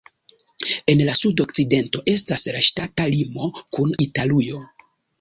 En la sudokcidento estas la ŝtata limo kun Italujo.